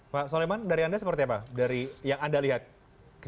pak soleman dari anda seperti apa dari yang anda lihat kejadian kemarin ini